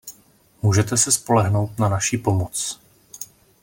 Můžete se spolehnout na naši pomoc.